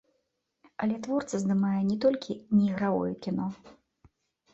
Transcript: Але творца здымае не толькі неігравое кіно.